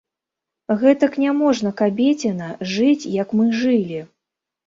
Гэтак няможна, кабецiна, жыць, як мы жылi...